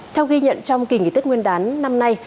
theo ghi nhận trong kỳ nghỉ tết nguyên đán năm nay